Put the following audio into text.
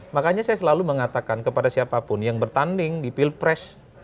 makanya saya selalu mengatakan kepada siapapun yang bertanding di pilpres